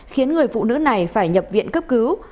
khiến người phụ nữ này phải nhập viện cấp cứu